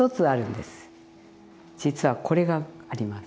実はこれがあります。